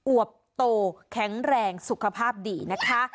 วบโตแข็งแรงสุขภาพดีนะคะ